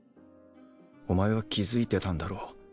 お前は気づいてたんだろ？